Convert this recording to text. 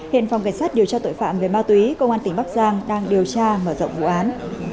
hiện phòng cảnh sát điều tra tội phạm về ma túy công an tỉnh bắc giang đang điều tra mở rộng vụ án